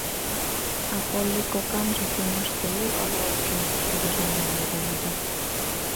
— А Полли кокамже тӱняште уло але уке? — тургыжланен йодо ӱдыр.